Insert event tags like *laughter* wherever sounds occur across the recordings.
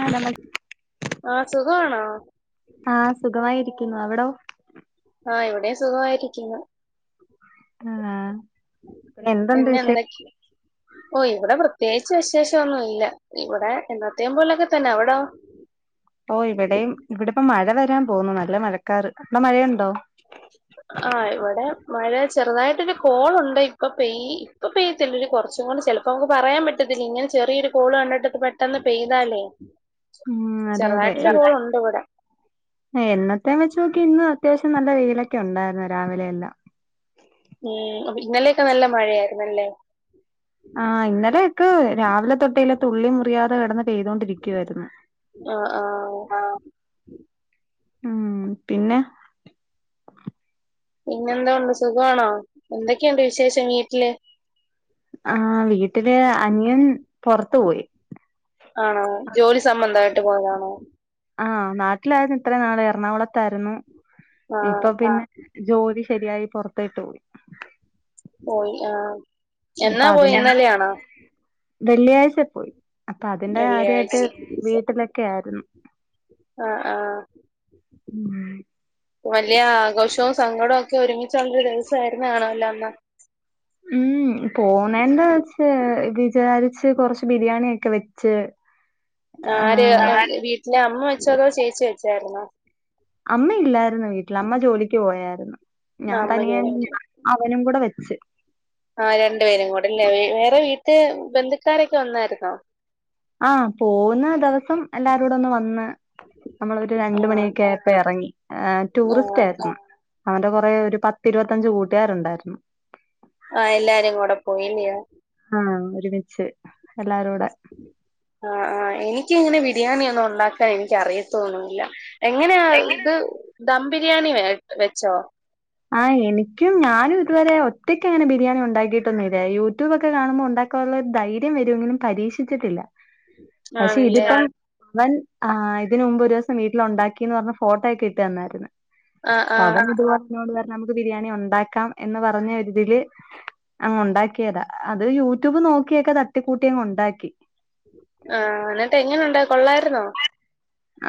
ആഹ *unintelligible* ആഹ സുഖണോ ആഹ് സുഖമായിരിക്കുന്നു അവിടോ ആഹ് ഇവിടെയും സുഖായിരിക്കുന്നു. ആഹ് എന്തുണ്ട് പിന്നെ വിശേ എന്തൊക്കെയാ? ഓ ഇവിടെ പ്രത്യേകിച്ച് വിശേഷം ഒന്നും ഇല്ല ഇവിടെ എന്നത്തെയും പോലൊക്കെ തന്നെ അവിടോ? ഓ ഇവിടെയും ഇവിടെപ്പോ മഴ വരാൻ പോന്നുന്നു നല്ല മഴക്കാർ എ മഴയുണ്ടോ? ആഹ ഇവിടെ മഴ ചെറുതായിട്ട് ഒരു കോളുണ്ട് ഇപ്പൊ പെയ് ഇപ്പൊ പെയ്യത്തില്ല ഒരു കുറച്ചും കൂട് ചിലപ്പോ നമുക്ക് പറയാൻ പറ്റത്തില്ല ഇങ്ങനെ ചെറിയൊരു കോള് കണ്ടിട്ട് പെട്ടന്ന് പെയ്താല്ലേ ഉം അതെ ചെറുതായിട്ടൊരു കോളുണ്ട് ഇവടെ എന്നത്തെയും വെച്ച് നോക്കിയാ ഇന്ന് അത്യാവശ്യം നല്ല വെയിലൊക്കെ ഉണ്ടായിരുന്നു രാവിലെയെല്ലാം. ഉം ഇന്നലെയൊക്കെ നല്ല മഴയായിരുന്നല്ലേ? ആ ഇന്നലെ ഒക്കെ രാവിലെ തൊട്ടെല്ലേ തുള്ളി മുറിയാതെ കിടന്നിട്ട് പെയ്തൊണ്ടിരിക്കുവായിരുന്നു. ആഹ് ആഹ് ഉം പിന്നെ പിന്നെന്തുണ്ട് സുഖമാണോ എന്തൊക്കെയുണ്ട് വിശേഷം വീട്ടില് ആ വീട്ടില് അനിയൻ പുറത്ത് പോയി. ആണോ ജോലി സംബന്ധമായിട്ട് പോയതാണോ? ആഹ നാട്ടിലായിരുന്നു ഇത്ര നാള് എറണാകുളത്തായിരുന്നു ആഹ് ഇപ്പൊ പിന്നെ ജോലി ശരിയായി പുറത്തേട്ട് പോയി. പോയി ആഹ് അപ്പ എന്നാ പോയി അതിനെ ഇന്നലെയാണോ വെള്ളിയാഴ്ച പോയി. അപ്പൊ അതിന്റെ വെള്ളിയാഴ്ച കാര്യായിട്ട് വീട്ടിലൊക്കെ ആയിരുന്നു. ആഹ് ആഹ് മം വലിയ ആഘോഷവും സങ്കടവും ഒക്കെ ഒരുമിച്ചുള്ളൊരു ദിവസമായിരുന്നു കാണുമല്ലോ അന്ന് ഉം പോവുന്നെന്റെ വചാ ഇത് വിചാരിച്ച് കൊറച്ച് ബിരിയാണിയൊക്കെ വെച്ച് ആര് ആഹ് വീട്ടില് അമ്മ വെച്ചതോ ചേച്ചി വെച്ചാരുന്നോ? അമ്മയില്ലായിരുന്നു വീട്ടിൽ അമ്മ ജോലിക്ക് പോയായിരുന്നു ഞാൻ ആഹ് അമ്മ തനിയെ ജോലിക്ക് അവനും കൂടെ വെച്ച് ആ രണ്ടു പേരും കൂടെല്ലേ വേറെ വീട്ട് ബന്ധുക്കാരൊക്കെ വന്നായിരുന്നോ? ആഹ് പോകുന്ന ദിവസം എല്ലാരോടെ ഒന്ന് വന്ന് നമ്മളൊ രണ്ട് ആഹ് മണിയൊക്കെ ആയപ്പോ ഇറങ്ങി ടൂറിസ്റ്റ് ആഹ് ആയിരുന്നു. അവന്റെ കൊറേ ഒരു പത്തിരുപത്തഞ്ച് കൂട്ട്യാരുണ്ടായിരുന്നു ആഹ് എല്ലാരും കൂടെ പോയില്ല്യോ ആഹ ഒരുമിച്ച് എല്ലാരോടെ ആ ആ എനിക്കിങ്ങനെ ബിരിയാണി ഒന്നും ഉണ്ടാക്കാൻ എനിക്ക് അറിയത്തൊന്നുല്ല. എങ്ങനെയാ ഇത് ദം ബിരിയാണി വെച്ചോ? ആഹ് എനിക്കും ഞാനും ഇതുവരെ ഒറ്റക്ക് അങ്ങനെ ബിരിയാണി ഉണ്ടാക്കിയിട്ടൊന്നും ഇല്ല യൂട്യൂബോക്കെ കാണുമ്പോ ഉണ്ടാക്കി ള്ള ധൈര്യം വരുമെങ്കിലും പരീക്ഷിച്ചിട്ടില്ല പക്ഷെ ആണല്ലേ ഇതിപ്പോ അവൻ ഇതിന് മുമ്പ് ഒരു ദിവസം വീട്ടില് ഉണ്ടാക്കിന്ന് പറഞ്ഞ് ഫോട്ടോയോക്കെ ഇട്ട് തന്നായിരുന്നു ആഹ് അ ആഹ് അവന് ഇത്പോലെന്നോട് പറഞ്ഞ് നമുക്ക് ബിരിയാണി ഉണ്ടാക്കാം എന്ന് പറഞ്ഞ ഒരുതില് ഉണ്ടാക്കിയതാ അത് യൂട്യൂബ് നോക്കിയക്കെ തട്ടിക്കൂട്ടി അങ്ങ് ഉണ്ടാക്കി. ആഹ് എന്നിട്ട് എങ്ങനുണ്ട് കൊള്ളായിരുന്നോ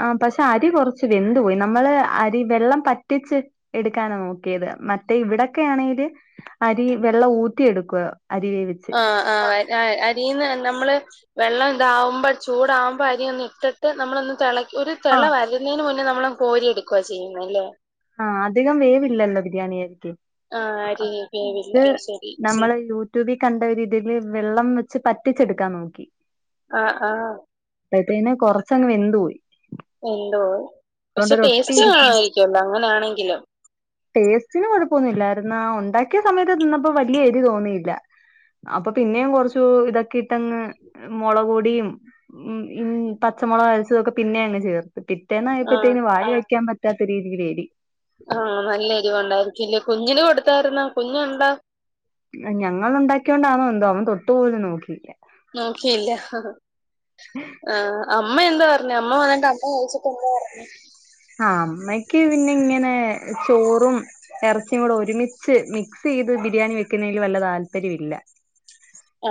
ആ പക്ഷെ അരി കുറച്ച് വെന്ത് പോയി നമ്മള് അരി വെള്ളം പറ്റിച്ച് എടുക്കാനാണ് നോക്കിയത് മറ്റേ ഇവിടോക്കെ ആണെല് അരി വെള്ളം ഊറ്റിയെടുക്കുക അരി വേവി ആ ആ അരിന്ന് നമ്മള് വെള്ളം ഇതാവുമ്പോ ചൂടകുമ്പോ അരി ഒന്ന ഇട്ടിട്ട് നമ്മളൊന്ന് തെളി ഒരു തെള വരുന്നതിന് മുന്നേ നമ്മള് കോരി എടുക്കുക ചെയ്യുന്ന അല്ലേ ആഹ അധികം വേവില്ലല്ലോ ബിരിയാണി അരിക്ക് ആഹ് അരി വേവില്ല ആത് ശരി നമ്മളെ യ റ്റ്യൂബികണ്ട രീതിയിയില് വെള്ളം വെച്ച് പറ്റിച്ചെടുക്കാൻ നോക്കി ആഹ് ആഹ് അപ്പത്തന്നെ കൊറച്ചങ്ങ് വെന്ത് പോയി എന്തോ അതുകൊണ്ട് പക്ഷെ ഒട്ടി ടേസ്റ്റ് ഇരിക്കും കാണമായിരിക്കല്ലോ അങ്ങനൊണെങ്കിലും ടേസ്റ്റിന് കൊഴപ്പൊന്നുമല്ലായിരുന്നാ ഉണ്ടാക്കിയ സമയത്ത് തിന്നപ്പോ വലിയ എരി തോന്നിയില്ല അപ്പൊ പിന്നേം കൊറച്ചു ഇതൊക്കെ ഇട്ടങ്ങ് മുളകൊടിയും ഉം ഉം പച്ചമുളക് അരച്ചതൊക്കെ പിന്നെ അങ്ങ്ചേർ ആഹ് പിറ്റേന്നായപ്പോഴത്തേക്ക് വായില് വെക്കാൻ പറ്റാത്ത രീതില് എരി ആഹ് നല്ല എരിവ് ഉണ്ടായിരിക്കില്ലേ കുഞ്ഞിന് കൊടുത്തായിരുന്നോ കുഞ്ഞുണ്ടോ ഞങ്ങൾ ഉണ്ടാക്കിയോണ്ടാന്നോ എന്തോ അമ്മതൊട്ടു പോലും നോക്കിയില്ല നോക്കിയില്ല ആ അമ്മ എന്താ പറഞ്ഞ് അമ്മ വന്നിട്ട് അമ്മ കഴിചട്ട് എന്താ പറഞ്ഞ്. ആ അമ്മക്ക് പിന്നെ ഇങ്ങനെ ചോറും ഇറച്ചിയും കൂടെ ഒരുമിച്ച് മിക്സ് ചെയ്ത് ബിരിയാണി വെക്കുന്നതിൽ വല്ല താല്പര്യമ ഇില്ല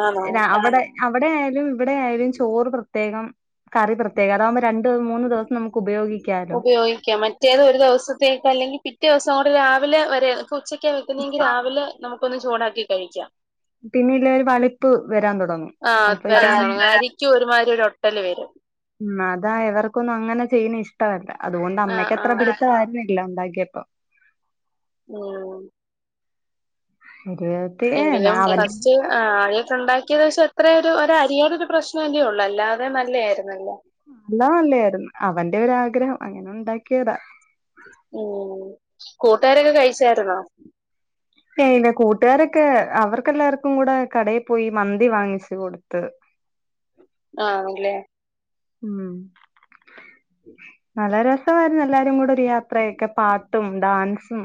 ആണോ രാ അവിടെ അവിടെയാലും ഇവിടെ ആയാലും ചോറ് പ്രത്യേകം കറി പ്രത്യേകം അതാകുമ്പോ രണ്ടു മൂന്ന് ദിവസം നമുക്ക് ഉപയോഗിക്കാലോ വെക്കാം മറ്റേത് ഒരു ദിവസത്തേക്ക് അല്ലെങ്കിൽ പിറ്റേ ദിവസം കൂടെ രാവിലെ വരെ ഉച്ച ക്ക വെക്കുന്നെങ്കിൽ ആഹ് രാവിലെ നമുക്ക് ഒന്ന് ചൂടാക്കി കഴിക്കാം പിന്നെ ഇല്ല ഒരു വളിപ്പ് വരാൻ തുടങ്ങും ആഹ് വരാൻ തൊടങ്ങും അപ്പഴത്തേന് അരിക്കും ഒരുമാതിരി ഒരു ഒട്ടല് വരും മ് അതാ എവർക്കൊന്നും അങ്ങനെ ചെയ്യണ ഇഷ്ടമല്ല അതുകൊണ്ട് ആ ആ അമ്മയ്ക്ക്ത്ര പിടത്തമായിരുന്നില്ല. ഇല്ല ഉണ്ടാകിയപ്പ ആഹ് *unintelligible* എങ്കിലും അവന്റെ ഫസ്റ്റ് *unintelligible* ആദ്യായിട്ട് ഒണ്ടാക്കിയത് പക്ഷേ എത്രയ ഒരു അരിയുടെ ഒരു പ്രശ്നംല്ലേ ഒള്ളൂ അല്ലാതെ നല്ലായിരുന്നല്ലോ എല്ലാ നല്ലായിരുന്നു അവന്റെ ഒരാഗ്രഹം അങ്ങനെ ഉണ്ടാക്കിയതാ ഉംകൂട്ടുകാരൊക്കെ കഴിച്ചായിരുന്നോ ഏ ഇല്ല കൂട്ടുകാരൊക്കെ അവർക്കെല്ലാർക്കും കൂടെ കടയിൽ പോയി മന്തി വാങ്ങിിച്ചു കൊടുത്ത് ആണല്ലെ ഉം നല്ല രസമായിരുന്നു എല്ലാരും കൂടെ ഒരു യാത്രയൊക്കെ പാട്ടും ഡാൻസും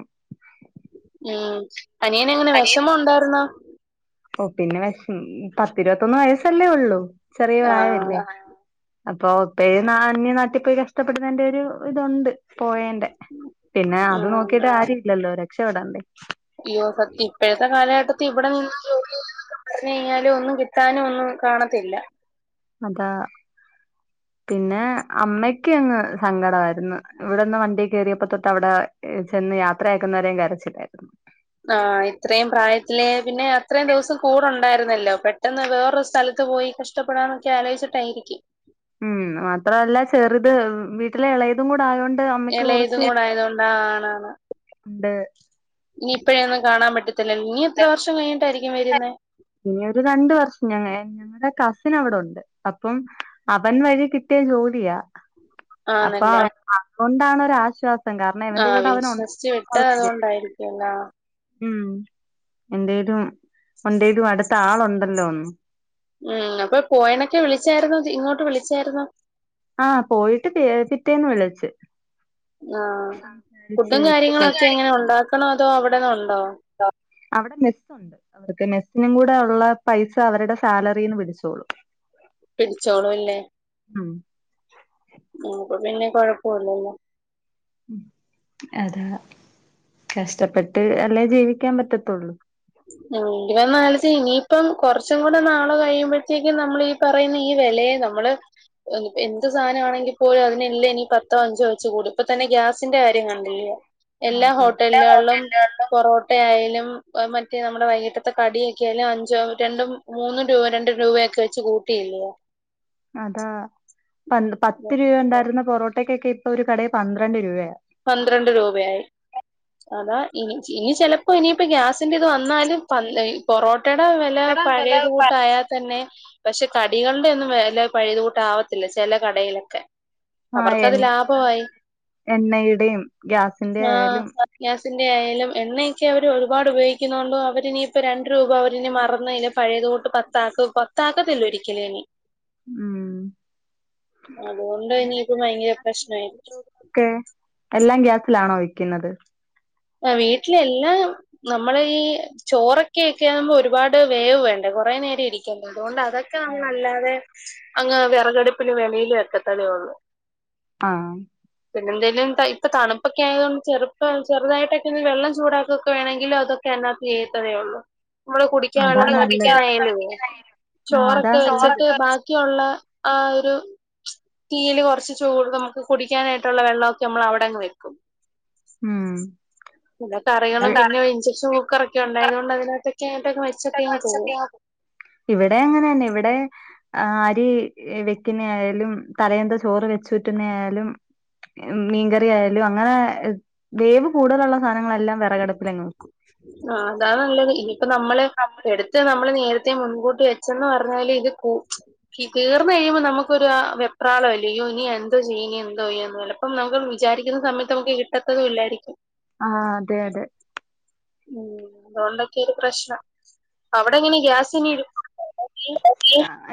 ഉം അനിയന എങ്ങനെ വിഷമോ ഉണ്ടായിരുന്നോ ഓ പിന്നെ വിഷം പത്തിരുപത്തൊന്ന് വയസല്ലേ ഉള്ളു ചെറിയ ആ പ്രായമല്ലേ അപ്പൊ ഇപ്പ അന്യ നാട്ടിപ്പോയി കഷ്ടപ്പെടുന്നതിന്റെ ഒരു ഇതുണ്ട് പോയന്റെപിന്നെ അത് ഉം നോക്കീട്ട് ആരും ഇല്ലല്ലോ രക്ഷപ്പെടണ്ടേ യ്യോ സത്യം ഇപ്പോഴത്തെ കാലഘട്ടത്തിൽ ഇവിടെ നിന്ന ജോലി കഴിഞ്ഞാലും ഒന്നും കിട്ടാനും ഒന്നും കാണത്തില്ല അതാ പിന്നെ അമ്മക്ക അങ്ങ് സങ്കടമായിരുന്നു ഇവിടെന്ന് വണ്ടി കയറിയപ്പ തൊട്ട് അവിടെ ചെന്ന് യാത്രയാക്കുന്നവരെയും കരച്ചില്ലായിരുന്നു ആ ഇത്രയും പ്രായത്തില് പിന്നെ അത്രയും ദിവസം കൂടെ ഉണ്ടായിരുന്നല്ലോ പെട്ടെന്ന് വേറൊരു സ്ഥലത്ത് പോയി കഷ ഷ്ടപ്പെടാനൊക്കെ ആലോചിച്ചിട്ടായിരിക്കും ഉം മാത്രല്ല ചെറുത് വി ട്ടിലെ എളേതും കൂടെ ആയോണ്ട് അമ്മയ്ക്ക് ഇളേ ഇതും കൊറച്ച് കൂടെ ആയതുകൊണ്ട് ആ ആണാണ് ണ്ട് ഇനി ഇപ്പഴൊന്നും കാണാൻ പറ്റത്തില്ലല്ലോ ഇനി എത്ര വർഷം കഴിഞ്ഞിട്ടായിരിക്കും വെരുന്നേ ഇനി ഒരു രണ്ട് വർഷം ഞങേ ളുടെ കസിൻ അവിടെ ഉണ്ട് അപ്പം അവൻ വഴി കിട്ടിയ ജോലിയാ അപ്പൊ ആണല്ലേ അതുകൊണ്ടാണൊരാശ്വാസം ആ വിശ്വസിച്ച് വിട്ട അതോണ്ടായിരിക്കുല്ലെ ഉം ന്തേലും ഉണ്ടേലും അടുത്താളുണ്ടല്ലോ ഒന്ന് ഉം അപ്പൊ പോയണൊക്കെ വിളിച്ചായിരുന്നോ ഇങ്ങോട്ട് വിളിച്ചായിരുന്നോ ആ പോയിട്ട് പി പിറ്റേന്ന് വിളിച്ച് ആ വിളിച്ച് ഫുഡും കാര്യങ്ങളൊക്കെ എങ്ങനെ ഉണ്ടാക്കണോ അതോ അവിടെന്നൊണ്ടോ *inaudible* അവിടെ മെസ്സുണ്ട് അവർക്ക് മെസ്സിനും കൂടെ ഒള്ളെ പൈസ അവരുടെ സാലറിന്ന് പിടിച്ചോളും പിടിച്ചോളുംല്ലേ ഉം അ അപ്പൊ പിന്നെ കൊഴപ്പുല്ലല്ലോ ഉം അതാ കഷ്ടപ്പെട്ട് അല്ലേ ജീവിക്കാൻ പറ്റത്തൊള്ളൂ *unintelligible* ഇനിയിപ്പം കൊറച്ചും കൂടെ നാളെ കഴിയുമ്പോഴത്തേക്കും നമ്മളീ പറയുന്ന ഈ വെലയെ നമ്മള് എന് എന്ത് സാനാണെങ്കി പോലും അതിനെല്ലെനി പത്തോ അഞ്ചോ വെച്ച് കൂടും ഇപ്പ തന്നെ ഗ്യാസിന്റെ കാര്യം കണ്ടില്ലെ എല്ലാ അതെ ഹോട്ടലുകളിലും പൊറോ ട്ട ആയാലും *unintelligible* റ്റെ നമ്മുടെ വൈകിട്ടത്തെ കടിയൊക്കൊയാലും അഞ്ചോ രണ്ടും മൂന്നും രൂപ രണ്ടും രൂപയൊക്കെ വെച്ച് കൂട്ടിയില്ലയോ അതാ പ പത്ത് രൂപണ്ടായിരുന്ന പൊറോട്ടക്കൊക്കെ ഇപ്പൊ ഒരു കടെ പന്ത്രണ്ട് രൂപയ പന്ത്രണ്ട് രൂപയായി അതാ ഇനി ഇനി ചെലപ്പോ ഇനിയിപ്പോ ഗ്യാസിന്റെ ഇത് വന്നാലും പ പൊറോ ട്ടെ ട വെല പഴേത് കൂട്ടായ തന്നെ പക്ഷെ കടികളുടൊന്നും വെല പഴേത് കൂട്ടാവത്തില്ല ചെലെ കടയിലൊക്കെ ആ അവർക്കത് എണ്ണ ലാഭമായി എണ്ണയുടെയും ഗ്യാസ് ആ ഗ്യാസിന്റെയായാലും എണ്ണയൊക്കെ അവര് ഒരുപാട് ഉപയോഗിക്കുന്നോണ്ടും അവര്നിയിപ്പോ രണ്ട് രൂപ അവര്ന് മറന്നേനും പഴേത് കൂട്ട് പത്താക്ക പത്താക്കത്തില്ലൊരിക്കലെനി ഉം അതുകൊണ്ട് ഇനിയിപ്പ ഭയങ്കര പ്രശ്നായിരിക്കും. ക്കെ എല്ലാം ഗ്യാസിലാണോ വെക്കുന്നത്? ആ വീട്ടില എല്ലാം നമ്മൾ ഈ ചോറൊക്കെക്കാകുമ്പോ ഒരുപാട് വേവ് വേണ്ടേ കുറെേ നേരം ഇരിക്കണ്ട അതുകൊണ്ട് അതൊക്കെ നമ്മല്ലാതെ അങ്ങ് വെറകടുപ്പിലും വെമയിലും *unintelligible* ആഹ പിന്നെ എന്തെലും *unintelligible* ഇപ്പ തണുപ്പൊക്കെ ആയതുകൊണ്ട് ചെറുപ്പ ചെറുതായിട്ടൊക്കെ ഇ വെള്ളം ചൂടാക്കുകക്കെ വേണെങ്കിലു അതൊക്കെ അതിനകത്തു ചെയ്യാത്തൊള്ളൂ. നമ്മള് കുടിക്കാൻ അതാ വെള്ളം നല്ലത് തിളപ്പിക്കാനായാലും ആ അതാ ചോറൊക്കെ വെച്ചിട്ട് നല്ലത് ബാക്കി. ക്കുള്ള ആ ഒരു തീയിൽ കുറച്ച് ചൂട് നമുക്ക് കുടിക്കാനായിട്ടുള്ള വെള്ളമൊക്കെ നമ്മള് അവിടെ അങ്ങ് വെക്കും. ഉം ഇല്ല കറികളും ഇ പിന്നെ ഇൻടെക്ഷൻ കുക്കറ ഒക്കെ ഉണ്ടായത് കൊണ്ട് അതിനകത്തെക്കെ *unintelligible* ഇവിടെ അങ്ങനെ തന്നെ ഇവിടെ ആ അരി വെക്കുന്ന ആയാലും തലേന്നത്തെ ചോറ് വെച്ചുറ്റുന്ന ആയാലും മീൻകറി ആയാലും അങ്ങനെ വേവ് കൂടുതലുള്ള സാധനങ്ങളെല്ലാം വിറകട പ്പിലങ്ങു വെക്കും. ആ അതാ നല്ലത് ഇനിയിപ്പോ നമ്മള് എടുത്ത് നമ്മള് നേരത്തെ മുൻകൂട്ടി വെ പച്ചന്ന് പറഞ്ഞാല് ഇത് കൂ തീർന്നു കഴിയുമ്പോ നമുക്കൊരു വെപ്രാളല്ലേ യ്യെ ഇനി എന്തോ ചെയ്യും എന്തോ ചെയ്യന്ന് വ അപ്പോ നമ്മൾക്ക് വിചാരിക്കുന്ന സമയത്ത് നമുക്ക് കിട്ടത്തതും ഇല്ലായിരിക്കും ആഹ് അതെ അതെ ഉം അതുകൊണ്ടൊക്കെയൊരു പ്രശ്നം അവിടെ എങ്ങനെ ഗ്യാസ് ഇടും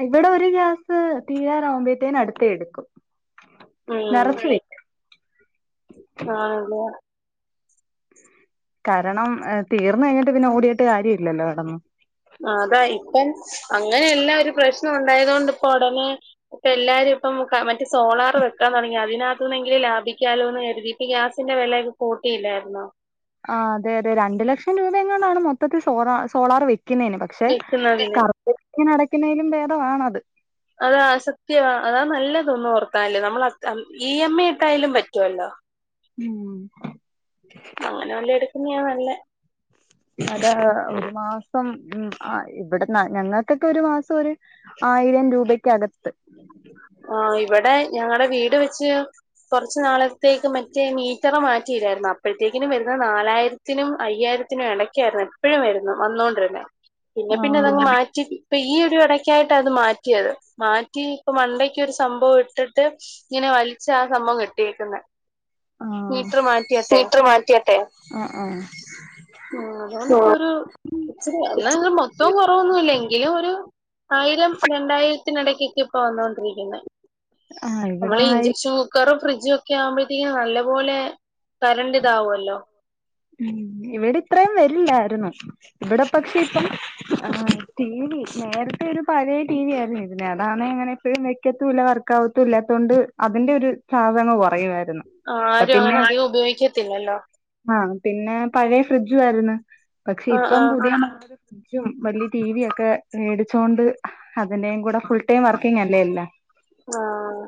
ഇവിടെ ഒരു ഗ്യാസ് തീരാറാവുമ്പോഴത്തേന് അടുത്തെത് എടുക്കും ഉം നിറച്ച് വെ ആഹ് അതേ കാരണം തീർന്ന് കഴിഞ്ഞിട്ട് പിന്നെ ഓടിയിട്ട് കാര്യം ഇല്ലല്ലോ കിടന്ന് അതാ ഇപ്പോ അങ്ങനെ എല്ലാം ഒരു പ്രശ്നം ഉണ്ടായത് കൊണ്ട് ഇപ്പോ ഉടനെ ഇപ്പോ എല്ലാരും ഇപ്പോ മറ്റേ സോളാറ് വെക്കാൻ തുടങ്ങി അതിനാ എങ്ങനെയെങ്കിലും ലാഭിക്കാലോ എന്ന് കരുതീട്ട് ഗ്യാസിന്റെ വിലയൊക്കെ കൂട്ടില്ലായിരുന്നോ ആഹ് അതെ അതെ രണ്ട് ലക്ഷം രണ്ടു ലക്ഷം രൂപ എങ്ങാണ്ടാണ് മൊത്തത്തിൽ സോളാ സോളാറ് വെക്കുന്നതിന് പക്ഷെ വെക്കുന്നതിന് കറണ്ട് *unintelligible* കുറ്റി നിറക്കുന്നതിലും ഭേദമാണത് അതാ അത് സത്യമാ അതാ നല്ലത് ഒന്ന് ഓർത്താല് നമ്മള് ഇ എം ഐ ഒക്കെ ആയാലും പറ്റുവല്ലോ *inaudible* ഉം. അങ്ങനെ വെല്ലോം എടുക്കുന്നെയാ നല്ലെ അതെ ഒരു മാസം ഉം ഇവിടെന്ന് ഞങ്ങൾക്കൊക്കെ ഒരു മാസം ഒരു ആയിരം രൂപക്കടുത്ത്. ആഹ് ഇവിടെ ഞങ്ങളുടെ വീട് വെച്ച് കുറച്ച് നാളത്തേക്ക് മറ്റേ മീറ്ററ് കുറച്ചു നാളത്തേക്ക് മറ്റേ ഹിറ്റർ മാറ്റിയില്ലാരുന്നോ അപ്പോഴത്തേക്കിനും വരുന്നെ നാലായിരത്തി എല്ലാത്തിനും അയ്യായിരത്തിനും ഇടക്കായിരുന്നു എപ്പോഴും വരുന്ന് വന്നോണ്ടിരുന്നെ പിന്നെ പിന്നെ അതങ്ങ് ആഹ് മാറ്റി ഇപ്പോ ഈ ഒരു ഇടക്കായിട്ടാണ് അത് മാറ്റിയത് മാറ്റി ഇപ്പൊ മണ്ടയ് ഒരു സംഭവം ഇട്ടിട്ട് ഇങ്ങനെ വലിച്ചാ ആ സംഭവം കെട്ടിയേക്കുന്നെ ആഹ് മീറ്റർ മാറ്റിയിട്ടെ മീറ്ററ് മാറ്റിയട്ടേ ആഹ്, ആഹ് ഉം അതുകൊണ്ട് ഇപ്പോ ഒരു ഇച്ചിരി അന്ന് മൊത്തം കുറവൊന്നുമില്ല എങ്കിലും ഒരു ആയിരം രണ്ടായിരത്തിനിടക്കൊക്കെ ഇപ്പൊ വന്നൊണ്ടിരിക്കുന്നെ ആഹ് ഇവിടെ നമ്മള് ആയി ഇഞ്ചക്ഷൻ കുക്കറും ഫ്രിഡ്ജും ഒക്കെ ആവുമ്പോഴത്തേക്കും നല്ല പോലെ കരണ്ട് ഇതാവുമല്ലോ ഉം ഇവിടെ ഇത്രയും വരില്ലായിരുന്നു ഇവിടെ പക്ഷെ ഇപ്പോ ടി വി നേരത്തെ ഒരു പഴയ ടി വി ആയിരുന്നു ഇരുന്നെ അതാണ് എങ്ങനെ വക്കത്തൂവില്ല വർക്കാവത്തൂല്ലാത്തൊണ്ട് അതിന്റെ ഒരു ചാർജ് അങ്ങ് കുറയുമായിര്ന്ന് ആഹ് ആരും അങ്ങനെ അധികം ഉപയോഗിക്കത്തില്ലല്ലോ ആഹ് പിന്നെ പഴയ ഫ്രിഡ്ജും ആയിരുന്ന് പക്ഷെ ആ ഇപ്പോ ആ പുതിയ ഫ്രിഡ്ജും വലിയ ടി വി ഒക്കെ മേടിച്ചോണ്ട് അതിന്റെയും കൂടെ ഫുൾ ടൈം വർക്കിങ് അല്ലേ എല്ലാം ആഹ് ആഹ്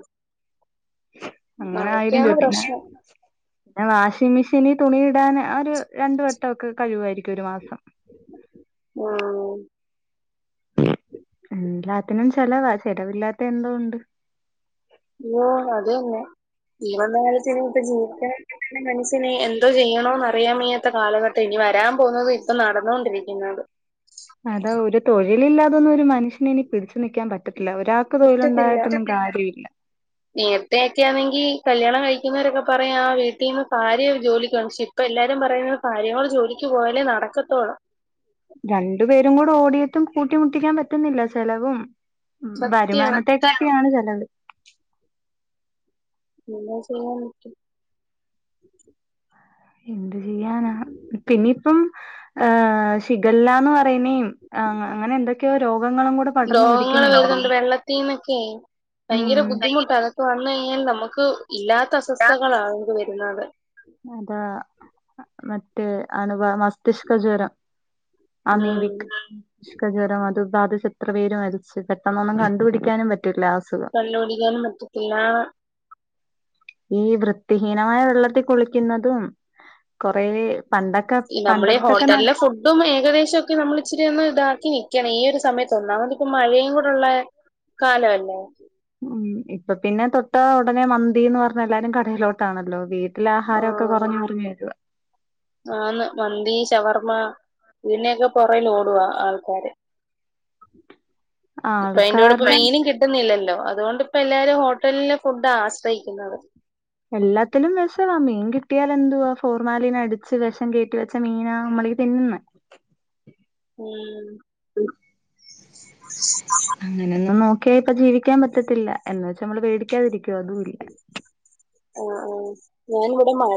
അങ്ങനെ ആയിരം രൂപ പിന്നെ പ്രശ്നം പിന്നെ വാഷിംഗ് മെഷീനി തുണിയിടാൻ ഒരു രണ്ട് വെട്ടം ഒക്കെ കഴിയുവാരിക്കും ഒരു മാസം ആഹ് എല്ലാത്തിനും ചെലവാ ചെലവില്ലാത്ത എന്തോ ഉണ്ട് ഇയ്യോ അതന്നെ. ഈവന്ന കാലത്തിന് ഇപ്പം ഈ വന്ന ജീവിക്കാൻ വേണ്ടീട്ട് മനുഷ്യന് എന്തോ ചെയ്യണോന്ന് അറിയാൻ വയ്യാത്ത കാലഘട്ടത്തിൽ ഇനി വരാൻ പോകുന്നതും ഇപ്പോ നടന്നോണ്ടിരിക്കുന്നതും അതാ ഒരു തൊഴിലില്ലാതൊന്നും ഒരു മനുഷ്യന് പിടിച്ചു നിൽക്കാൻ പറ്റത്തില്ല ഒരാൾക്ക് പറ്റത്തില്ല. തൊഴിലുണ്ടായിട്ടൊന്നും കാര്യമില്ല നേരത്തെക്കെയാണെങ്കി കല്യാണം കഴിക്കുന്നൊരക്കെ പറയാ ആ വീട്ടിന്ന് ഭാര്യ ജോലിക്ക് പോവാന്ന് ഷെ ഇ ഇപ്പൊ എല്ലാരും പറയുന്നെ ഭാര്യയും കൂടി ജോലിക്ക് പോയാലേ നടക്കത്തൊള്ളെന്ന് രണ്ടു പേരും കൂടെ ഓടിയട്ടും കൂട്ടിമുട്ടിക്കാൻ പറ്റുന്നില്ല ചെലവും സത്യം വരുമാനത്തെയും തന്നെയാണ് ചിലവ് എന്തോ ചെയ്യാൻ പറ്റും എന്ത് ചെയ്യാനാ പിന്നിപ്പം ഏഹ് ഷിഗല്ലാന്ന് പറ നിപ്പോ യിനും അങ്ങനെ എന്തൊക്കെയോ രോഗങ്ങളും കൂടെ പടർന്നു രോഗങ്ങള് പിടിക്കുന്നുണ്ടല്ലോ വരുന്നുണ്ട് വെള്ളത്തീന്നൊക്കെയ് ഭയങ്കര ഉം ബുദ്ധിമുട്ടാണ്. ഇപ്പ വന്ന കഴിഞ്ഞാൽ നമുക്ക് ഇല്ലാത്ത അസ്വസ്ഥകളാ ഇത് വരുന്നത്. അതാ മറ്റേ അണുബാ മസ്തിഷ്ക ജ്വരം. ഉം അമീബിക് ക ജ്വരം അത് ബാധിച്ച് എത്ര പേര് മരിച്ച് പെട്ടെന്നൊന്നും കണ്ടുപിടിക്കാനും പറ്റൂല്ല ആ അസുഖം. തല്ലുപിടിക്കാനും പറ്റത്തില്ല. ഈ വൃത്തിഹീനമായ വെള്ളത്തി കുളിക്ക്യുന്നതും കൊറേ പണ്ട ഈ നമ്മളീ ഹോട്ടലിലെ ഫുഡ് ഇതും ഏകദേശം ഒക്കെ നമ്മൾ ഇച്ചിരി ഒന്ന് ഇതാക്കി നിൽക്കണം ഈ ഒരു സമയത്ത് ഒന്നാമത് ഇപ്പ മഴയും കൂടൊള്ളേ കാലവല്ലേ? ഉം ഇപ്പൊ പിന്നെ തൊട്ട ഉടനെ മന്തീന്ന് പറഞ്ഞ് എല്ലാരും കടയിലോട്ടാണല്ലോ വീ നല്ല ആഹാരം ഒക്കെ ആഹ് കൊറഞ്ഞ് കൊറഞ്ഞ് വരുവാ ആന്ന് മന്തി ഷവർമ്മ ഇതിനെയൊക്കെ പൊറേൽ ഓടുവാ ആൾക്കാര് ഇപ്പ അയിന്റെ കൂടെ ഇപ്പ ആൾക്കാരുടെ മീനും കി കിട്ടുന്നില്ലല്ലോ അതുകൊണ്ട് ഇപ്പ എല്ലാരും ഹോട്ടലിലെ ഫുഡാ ആശ്രയിക്കുന്നത് എല്ലാത്തിലും വെഷവാ മീൻ കിട്ടിയാൽ എന്തുവാ ഫോർമാലിൻ അടിച്ച് വെഷം കേറ്റി വെ ച്ച മീനാ നമ്മളീ തിന്നുന്നെ ഉം. *unintelligible* അങ്ങനൊന്നും നോക്കിയാ ഇപ്പ ജീവിക്കാൻ പറ്റത്തില്ല എന്ന് വെച്ച് നമ്മള് പേടിക്കാതിരിക്കുവോ അതു ഇല്ല ആ ആ ഞാനിവിടെ മാ